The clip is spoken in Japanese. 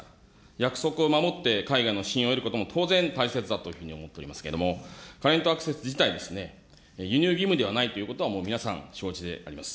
約束を守って海外の信用を得ることも当然大切だというふうに思っておりますけれども、カレント・アクセス自体、輸入義務ではないということは、もう皆さん、承知であります。